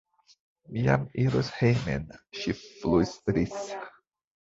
Mi jam iros hejmen, ŝi flustris.